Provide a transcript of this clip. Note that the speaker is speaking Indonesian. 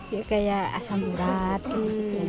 ya kayak asam urat gitu